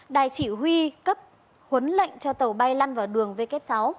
đài chỉ huy cấp huấn lệnh cho tàu bay lăn vào đường w sáu